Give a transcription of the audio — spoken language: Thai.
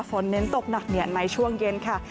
ฝนเน้นตกหนักเหนียดในช่วงเย็นค่ะ